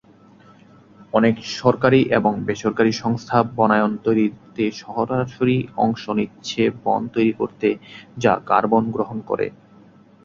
অনেক সরকারি এবং বেসরকারি সংস্থা বনায়ন তৈরিতে সরাসরি অংশ নিচ্ছে বন তৈরি করতে, যা কার্বন গ্রহণ করে।